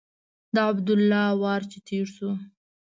د عبدالله وار چې تېر شو.